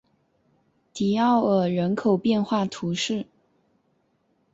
迪奥尔人口变化图示